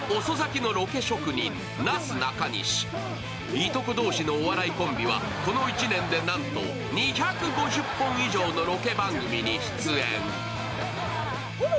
いとこ同士のお笑いコンビはこの１年でなんと２５０本以上のロケ番組に出演。